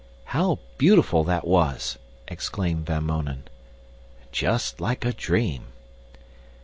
"How beautiful that was!" exclaimed Van Mounen. "Just like a dream!"